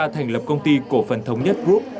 thành lập công ty cổ phần thống nhất group